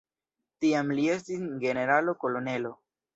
Tiam li estis generalo-kolonelo.